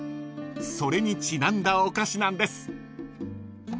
［それにちなんだお菓子なんです］